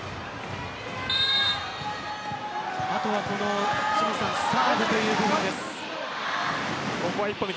あとはサーブという部分です。